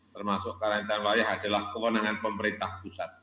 termasuk karantina wilayah adalah kewenangan pemerintah pusat